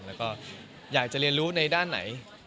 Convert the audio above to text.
แล้วก็อยากจะเรียนรู้ในด้านไหน